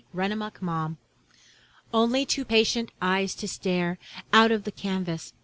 FADED PICTURES Only two patient eyes to stare Out of the canvas.